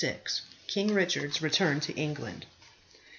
KING RICHARD'S RETURN TO ENGLAND.